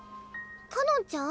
かのんちゃん？